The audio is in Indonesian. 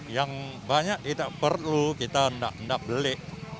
yang banyak kita perlu kita enggak beli